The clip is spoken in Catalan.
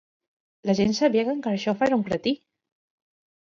La gent sabia que en Carxofa era un cretí?